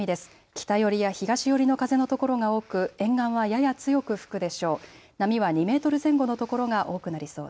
北寄りや東寄りの風のところが多く沿岸はやや強く吹くでしょう。